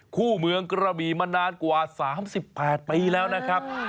คู่เมืองกระบีมานานกว่า๓๘ปีแล้วนะครับ